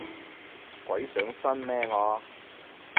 鬼上身咩我